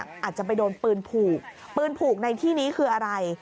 อาจจะไปโดนปืนผูกปืนผูกในที่นี้คืออะไร